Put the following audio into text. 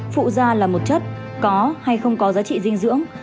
phụ da là một chất có hay không có giá trị dinh dưỡng